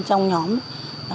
trong nhóm ấy